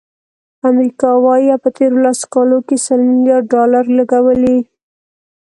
امریکا وایي، په تېرو لسو کالو کې سل ملیارد ډالر لګولي.